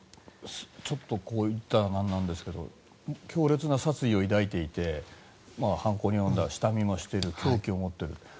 こういったら何なんですが強烈な殺意を抱いていて犯行に及んでいて下見もしている凶器を持っている。